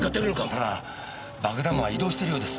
ただ爆弾魔は移動しているようです。